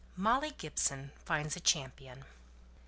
MOLLY GIBSON FINDS A CHAMPION.